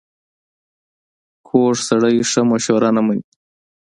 کوږ سړی ښه مشوره نه مني